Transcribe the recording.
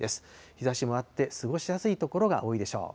日ざしもあって、過ごしやすい所が多いでしょう。